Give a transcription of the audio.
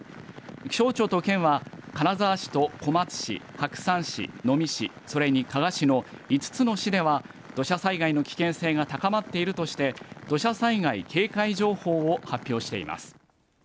気象庁と県は金沢市と小松市、白山市、能美市、それに加賀市の５つの市では土砂災害の危険性が高まっているとして土砂災害警戒情報を発表しています。